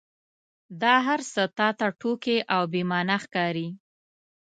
دا هرڅه تا ته ټوکې او بې معنا ښکاري.